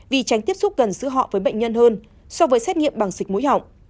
vì tránh tiếp xúc gần giữa họ với bệnh nhân hơn so với xét nghiệm bằng xịt mũi họng